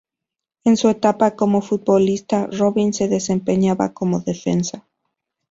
En su etapa como futbolista, Robin se desempeñaba como defensa.